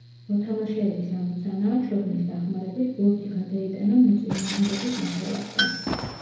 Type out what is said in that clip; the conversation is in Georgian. მოთამაშეების ამოცანაა ჩოგნის დახმარებით ბურთი გადაიტანონ მოწინააღმდეგის ნახევარზე.